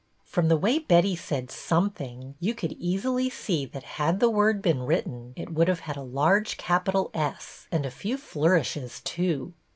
From the way Betty said Something " you could easily see that had the word been written it would have had a large capital S and a few flourishes, too.